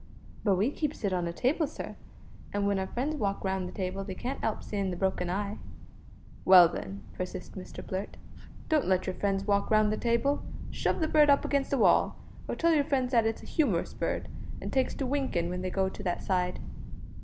"But we keeps it on a table, sir, an' w'en our friends walk round the table they can't 'elp seein' the broken eye." "Well, then," persisted Mr Blurt, "don't let your friends walk round the table. Shove the bird up against the wall; or tell your friends that it's a humorous bird, an' takes to winking when they go to that side."